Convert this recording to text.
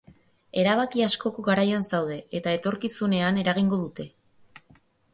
Erabaki askoko garaian zaude, eta etorkizunean eragingo dute.